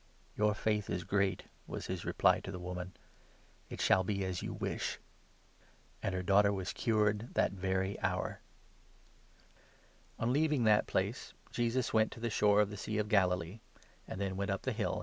"" Your faith is great," was his reply to the woman ;" it shall 28 be as vou wish !" And her daughter was cured that very hour. Jesus ^n leaving that place, Jesus went to the shore 29 cures'many of the Sea of Galilee ; and then went up the hill, Persons.